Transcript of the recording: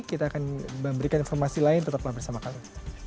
kita akan memberikan informasi lain tetap bersama sama